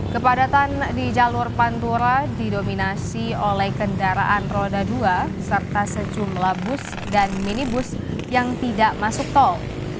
kepadatan di jalur pantura didominasi oleh kendaraan roda dua serta sejumlah bus dan minibus yang tidak masuk tol